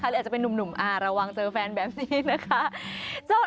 หรืออาจจะเป็นนุ่มระวังเจอแฟนแบบนี้นะคะ